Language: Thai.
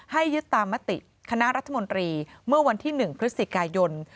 ยึดตามมติคณะรัฐมนตรีเมื่อวันที่๑พฤศจิกายน